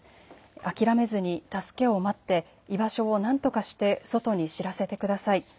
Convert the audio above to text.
諦めずに助けを待って、居場所をなんとかして外に知らせてください。